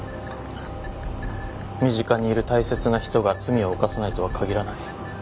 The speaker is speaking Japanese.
身近にいる大切な人が罪を犯さないとは限らない。